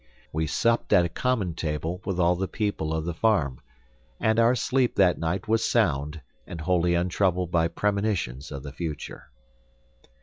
We supped at a common table with all the people of the farm; and our sleep that night was sound and wholly untroubled by premonitions of the future.